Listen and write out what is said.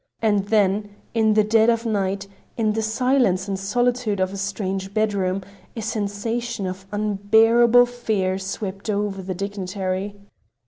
And then, in the dead of night, in the silence and solitude of a strange bedroom, a sensation of unbearable fear swept over the dignitary.